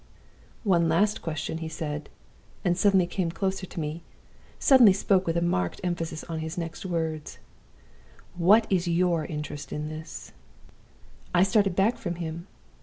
"'One last question,' he said, and suddenly came closer to me, suddenly spoke with a marked emphasis on his next words: 'What is your interest in this?' "I started back from him.